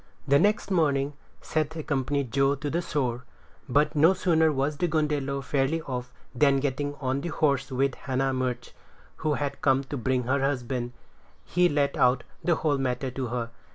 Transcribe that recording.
The next morning Seth accompanied Joe to the shore; but no sooner was the gundelow fairly off, than getting on the horse with Hannah Murch, who had come to bring her husband, he let out the whole matter to her.